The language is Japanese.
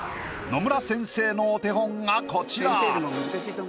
野村先生のお手本がこちら。